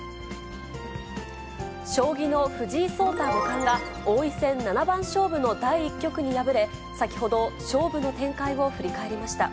将棋の藤井聡太五冠が王位戦七番勝負の第１局に敗れ、先ほど、勝負の展開を振り返りました。